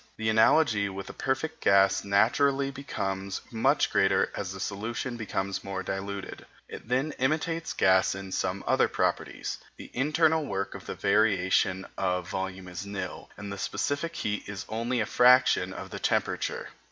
The analogy with a perfect gas naturally becomes much greater as the solution becomes more diluted. It then imitates gas in some other properties; the internal work of the variation of volume is nil, and the specific heat is only a function of the temperature.